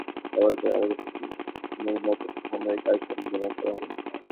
বর্তমানে optical fibre ব্যবহার করে আলোকনির্ভর তথ্য সরবরাহের কাজ সম্পাদন করা হয়।